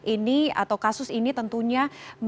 ini atau kasus ini tentunya